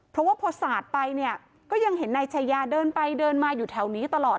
เพราะว่าพอสาดไปเนี่ยก็ยังเห็นนายชายาเดินไปเดินมาอยู่แถวนี้ตลอด